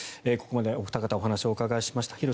ここまでお二方にお話をお伺いしました。